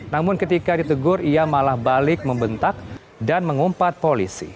namun ketika ditegur ia malah balik membentak dan mengumpat polisi